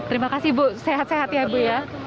terima kasih bu sehat sehat ya ibu ya